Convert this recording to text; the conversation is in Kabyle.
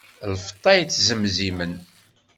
Lfeṭṭa ittzemzimen.